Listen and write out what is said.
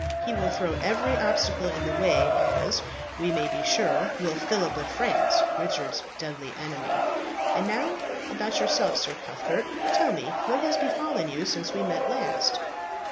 He will throw every obstacle in the way, as, we may be sure, will Phillip of France, Richard's deadly enemy. And now about yourself, Sir Cuthbert; tell me what has befallen you since we last met."